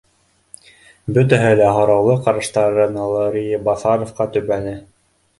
Бөтәһе лә һораулы ҡараштарын Лрыибаҫаровҡа төбәне